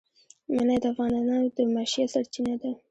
منی د افغانانو د معیشت سرچینه ده.